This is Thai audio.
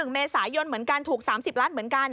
๑เมษายนเหมือนกันถูก๓๐ล้านเหมือนกัน